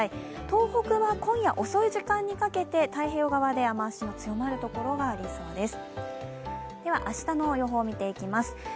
東北は今夜遅い時間にかけて太平洋側で雨足が強まるところがありそうです。